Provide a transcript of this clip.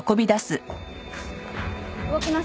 動きます。